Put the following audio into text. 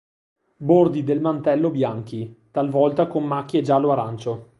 Bordi del mantello bianchi, talvolta con macchie giallo-arancio.